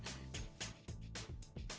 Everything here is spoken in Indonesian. cepotin dulu baju seragam lo